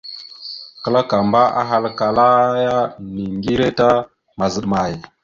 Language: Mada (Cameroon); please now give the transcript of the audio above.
Kǝlakamba ahalǝkala ya: « Niŋgire ta mazaɗ amay? ».